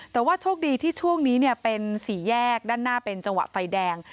แต่ว่าโชคดีที่ช่วงนี้เป็นสี่แยกด้านหน้าเป็นจังหวะไฟแดง